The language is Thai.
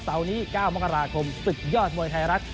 เสาร์นี้๙มกราคมศึกยอดมวยไทยรัฐ